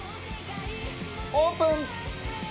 オープン！